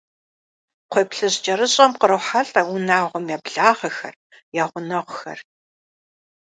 КхъуейплъыжькӀэрыщӀэм кърохьэлӀэ унагъуэм я благъэхэр, я гъунэгъухэр.